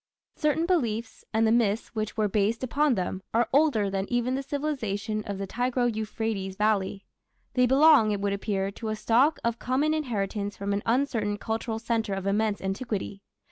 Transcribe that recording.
Certain beliefs, and the myths which were based upon them, are older than even the civilization of the Tigro Euphrates valley. They belong, it would appear, to a stock of common inheritance from an uncertain cultural centre of immense antiquity.